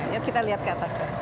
ya kita lihat ke atas